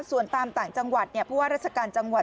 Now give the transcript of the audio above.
ส่วนตามต่างจังหวัดผู้ว่าราชการจังหวัด